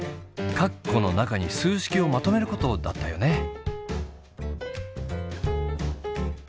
カッコの中に数式をまとめることだったよね。